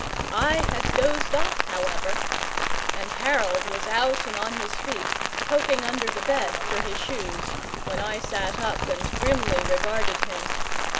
I had dozed off, however, and Harold was out and on his feet, poking under the bed for his shoes, when I sat up and grimly regarded him.